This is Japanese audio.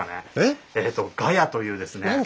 えとガヤというですね。